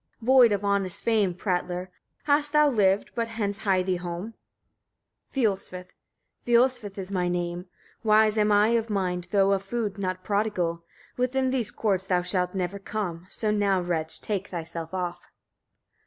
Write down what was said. Void of honest fame, prattler! hast thou lived: but hence hie thee home. Fiolsvith. 4. Fiolsvith is my name; wise I am of mind, though of food not prodigal. Within these courts thou shalt never come: so now, wretch! take thyself off.